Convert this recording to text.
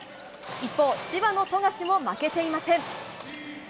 一方、千葉の富樫も負けていません。